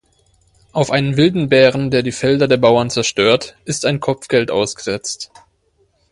Auf einen wilden Bären, der die Felder der Bauern zerstört, ist ein Kopfgeld ausgesetzt.